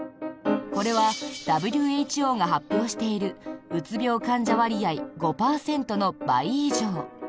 これは、ＷＨＯが発表しているうつ病患者割合５％の倍以上。